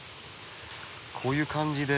こういう感じで。